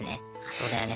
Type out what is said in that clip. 「そうだよね